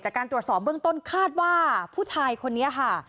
จากการตรวจสอบเบื้องต้นคาดว่าผู้ชายคนนี้ค่ะ